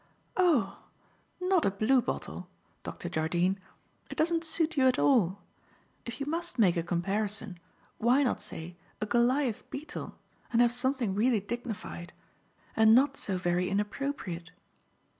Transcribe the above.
"Oh! Not a bluebottle. Dr. Jardine. It doesn't suit you at all. If you must make a comparison, why not say a Goliath beetle, and have something really dignified and not so very inappropriate."